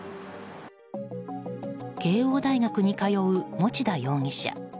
慶應大学に通う持田容疑者。